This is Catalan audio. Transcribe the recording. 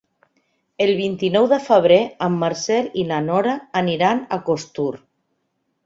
El vint-i-nou de febrer en Marcel i na Nora aniran a Costur.